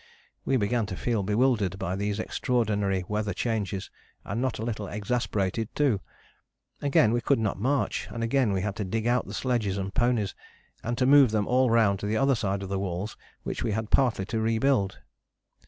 We began to feel bewildered by these extraordinary weather changes, and not a little exasperated too. Again we could not march, and again we had to dig out the sledges and ponies, and to move them all round to the other side of the walls which we had partly to rebuild.